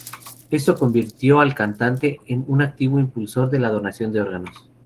Esto convirtió al cantante en un activo impulsor de la donación de órganos.